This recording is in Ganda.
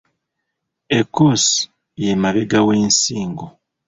Ekkoosi ye mabega w’ensingo.